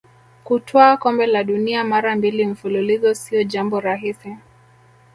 kutwaa kombe la dunia mara mbili mfululizo sio jambo rahisi